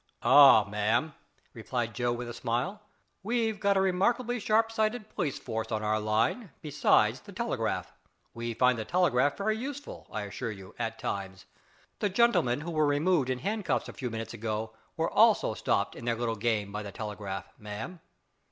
"Ah, ma'am," replied Joe with a smile, "we've got a remarkably sharp sighted police force on our line, besides the telegraph. We find the telegraph very useful, I assure you, at times. The gentlemen who were removed in handcuffs a few minutes ago were also stopped in their little game by the telegraph, ma'am."